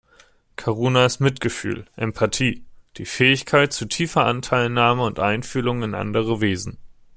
Karuna ist Mitgefühl, Empathie, die Fähigkeit zu tiefer Anteilnahme und Einfühlung in andere Wesen.